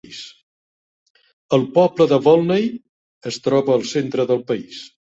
El poble de Volney es troba al centre de país.